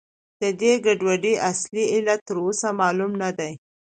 د دې ګډوډۍ اصلي علت تر اوسه معلوم نه دی.